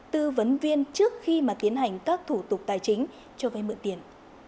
tư vấn viên trước khi mà tiến hành các thủ tục tài chính cho vay mượn tiền